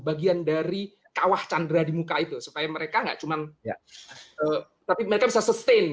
bagian dari kawah candera di muka itu supaya mereka nggak cuma tapi mereka bisa sustain gitu